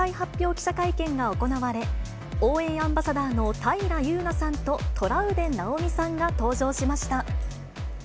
記者会見が行われ、応援アンバサダーの平祐奈さんとトラウデン直美さんが登場しました。